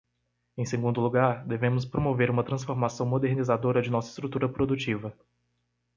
Em segundo lugar, devemos promover uma transformação modernizadora de nossa estrutura produtiva.